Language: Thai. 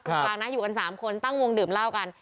กลางนะอยู่กัน๓คนตั้งวงดื่มเหล้ากัน